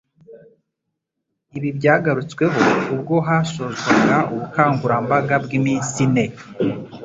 Ibi byagarutsweho ubwo hasozwaga ubukangurambaga bw'iminsi ine